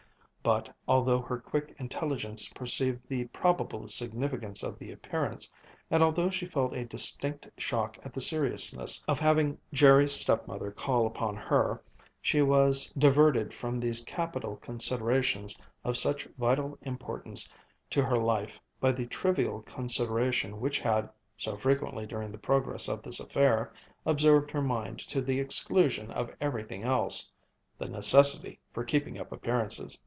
But although her quick intelligence perceived the probable significance of the appearance, and although she felt a distinct shock at the seriousness of having Jerry's stepmother call upon her, she was diverted from these capital considerations of such vital importance to her life by the trivial consideration which had, so frequently during the progress of this affair, absorbed her mind to the exclusion of everything else the necessity for keeping up appearances.